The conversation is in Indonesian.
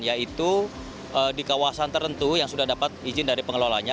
yaitu di kawasan tertentu yang sudah dapat izin dari pengelolanya